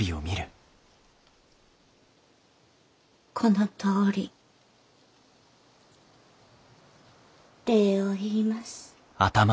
このとおり礼を言います。